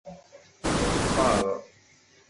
Ḍfer.